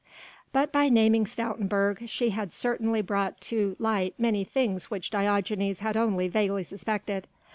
But by naming Stoutenburg, she had certainly brought to light many things which Diogenes had only vaguely suspected.